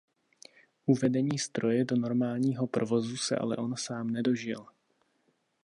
Uvedení stroje do normálního provozu se ale on sám nedožil.